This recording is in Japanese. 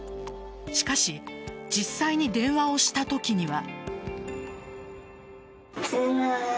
しかし実際に電話をしたときには。